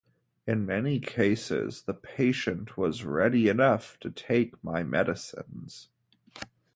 In many cases the patient was ready enough to take my medicines.